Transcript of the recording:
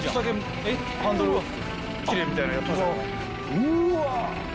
うわ！